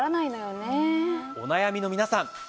お悩みの皆さん